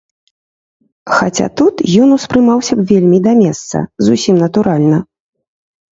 Хаця тут ён успрымаўся б вельмі да месца, зусім натуральна.